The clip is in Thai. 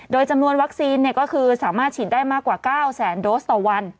โดยจำนวนวัคซีนก็คือสามารถฉีดได้มากกว่า๙แสนโดสต่อวัน